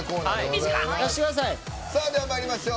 ではまいりましょう。